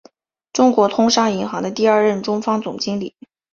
中国通商银行的第二任中方总经理。